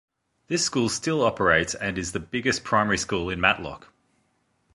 This school still operates and is the biggest primary school in Matlock.